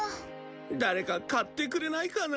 誰か買ってくれないかな。